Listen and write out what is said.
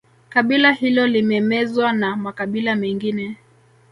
Kabila hilo limemezwa na makabila mengine